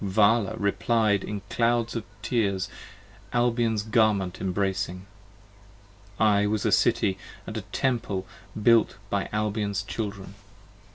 35 Vala replied in clouds of tears Albion's garment embracing. I was a City & a Temple built by Albion's Children!